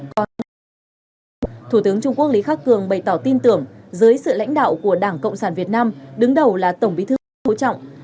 thủ tướng trung quốc lý khắc cường bày tỏ tin tưởng dưới sự lãnh đạo của đảng cộng sản việt nam đứng đầu là tổng bí thư nguyễn phú trọng